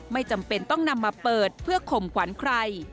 ไม่จำเป็นต้องนำมาเปิดเพื่อข่มขวัญใคร